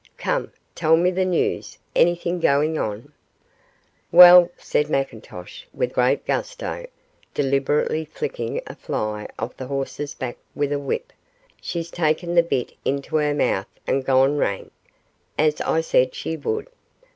Come, tell me the news; anything going on?' 'Weel,' said McIntosh, with great gusto, deliberately flicking a fly off the horse's back with a whip, 'she's ta'en the bit intil her mouth and gane wrang, as I said she would.